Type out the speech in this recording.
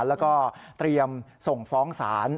แล้วก็เตรียมส่งฟ้องศาล